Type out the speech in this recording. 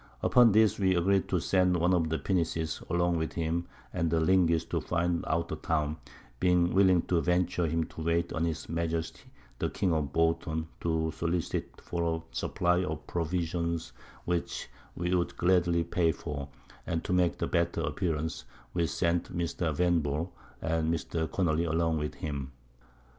Upon this we agreed to send one of the Pinnaces along with him and the Linguist to find out the Town, being willing to venture him to wait on his Majesty the King of Bouton to solicit for a Supply of Provisions, which we would gladly pay for; and to make the better Appearance, we sent Mr. Vanbrugh and Mr. Connely along with him.